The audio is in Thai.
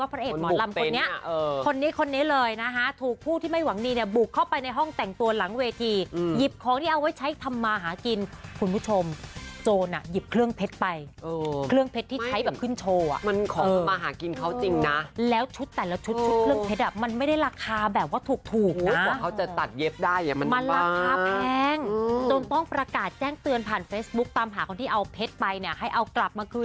พรามงีหน้าออร่ามาก